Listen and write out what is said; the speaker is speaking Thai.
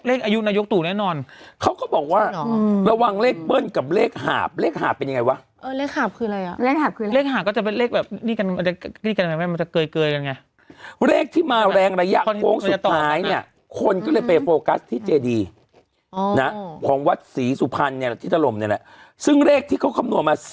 เออแต่เขาบอกว่าเสาร์อาทิตย์อะ